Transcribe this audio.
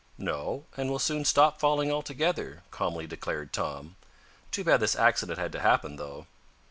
"No, and we'll soon stop falling altogether," calmly declared Tom. "Too bad this accident had to happen, though."